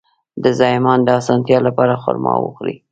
د زایمان د اسانتیا لپاره خرما وخورئ